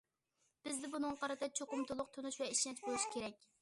بىزدە بۇنىڭغا قارىتا چوقۇم تولۇق تونۇش ۋە ئىشەنچ بولۇشى كېرەك.